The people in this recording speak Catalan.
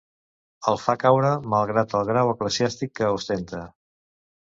El fa caure malgrat el grau eclesiàstic que ostenta.